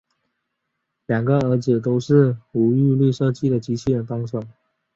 两个儿子都是吴玉禄设计机器人的帮手。